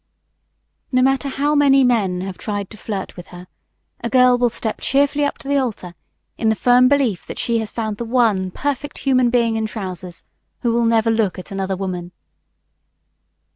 No matter how many men have tried to flirt with her, a girl will step cheerfully up to the altar in the firm belief that she has found the one perfect human being in trousers who will never look at another woman.